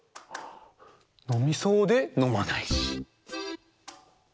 のみそうでのまないし。